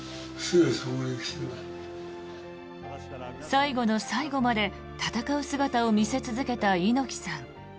最後の最後まで戦う姿を見せ続けた猪木さん。